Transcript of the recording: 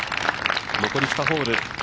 残り２ホール。